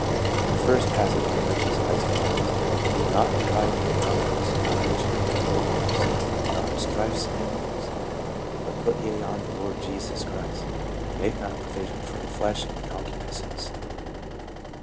The first passage on which his eyes fall is, "Not in rioting and drunkenness, not in chambering and wantonness, not in strifes and envyings ; but put ye on the Lord Jesus Christ, and make not provision for the flesh in concupiscence."